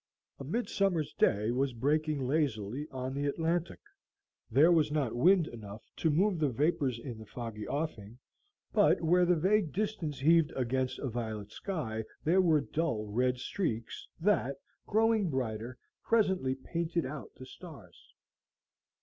A midsummer's day was breaking lazily on the Atlantic. There was not wind enough to move the vapors in the foggy offing, but where the vague distance heaved against a violet sky there were dull red streaks that, growing brighter, presently painted out the stars.